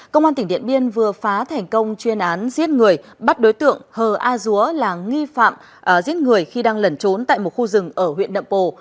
công an tỉnh điện biên vừa phá thành công chuyên án giết người bắt đối tượng hờ a dúa là nghi phạm giết người khi đang lẩn trốn tại một khu rừng ở huyện nậm pồ